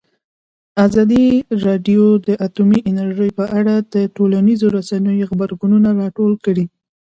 ازادي راډیو د اټومي انرژي په اړه د ټولنیزو رسنیو غبرګونونه راټول کړي.